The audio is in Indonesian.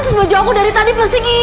tentu baju aku dari tadi bersih